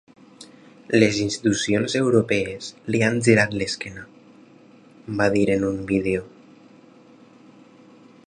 Les institucions europees li han girat l’esquena, va dir en un vídeo.